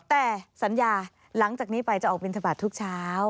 แต่สัญญาหลังจากนี้ไปจะออกบินทบาททุกเช้า